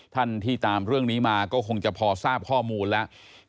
ท่านที่ตามเรื่องนี้มาก็คงจะพอทราบข้อมูลแล้ว